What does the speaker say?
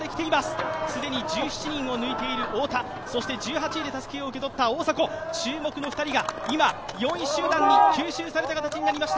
既に１７人を抜いている太田、１８位でたすきを受け取った大迫、注目の２人が今、４位集団に吸収された形になりました。